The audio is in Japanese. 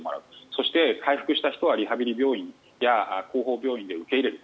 そして、回復した人はリハビリ病院や後方病院で受け入れる。